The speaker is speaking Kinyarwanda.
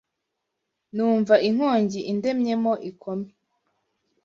Numva inkongi indemyemo ikome